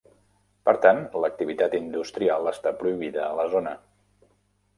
Per tant, l'activitat industrial està prohibida a la zona.